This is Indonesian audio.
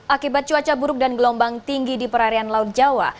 akibat cuaca buruk dan gelombang tinggi di perarian laut jawa